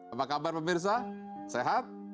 apa kabar pemirsa sehat